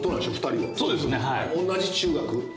同じ中学？